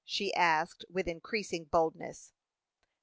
she asked, with increasing boldness.